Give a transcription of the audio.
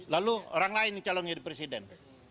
lalu orang lain nih calon jadi presiden